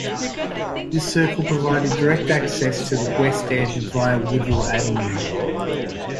This circle provided direct access to the West End via Woodville Avenue.